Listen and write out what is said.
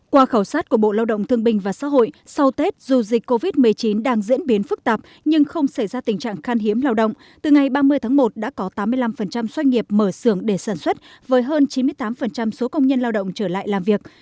qua khảo sát của bộ lao động thương bình và xã hội sau tết dù dịch covid một mươi chín đang diễn biến phức tạp nhưng không xảy ra tình trạng khan hiếm lao động từ ngày ba mươi tháng một đã có tám mươi năm doanh nghiệp mở xưởng để sản xuất với hơn chín mươi tám số công nhân lao động trở lại làm việc